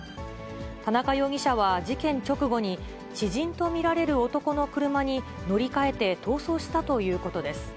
田中容疑者は事件直後に、知人と見られる男の車に乗り換えて逃走したということです。